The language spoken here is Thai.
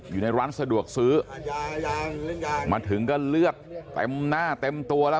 อยู่ในร้านสะดวกซื้อมาถึงก็เลือดเต็มหน้าเต็มตัวแล้ว